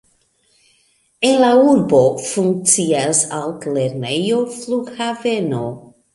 En la urbo funkcias altlernejo, flughaveno.